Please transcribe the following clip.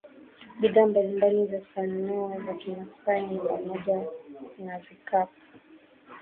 Bidhaa mbalimbali za sanaa za kimaasai ni pamoja na Vikapu